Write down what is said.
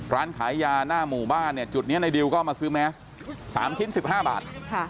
ร้านขายยาหน้าหมู่บ้านเนี่ยจุดนี้ในดิวก็มาซื้อแมส๓ชิ้น๑๕บาท